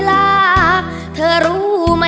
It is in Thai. เพราะเธอชอบเมือง